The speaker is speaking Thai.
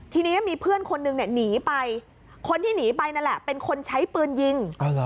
ทีนี้มีเพื่อนคนนึงเนี่ยหนีไปคนที่หนีไปนั่นแหละเป็นคนใช้ปืนยิง